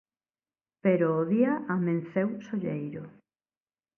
Pero o día amenceu solleiro.